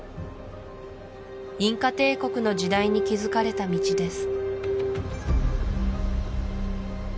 インカ帝国の時代に築かれた道です